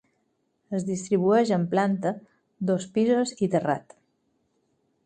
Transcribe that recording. Es distribueix en planta, dos pisos i terrat.